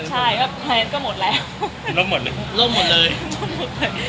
ร่วมหมดเลย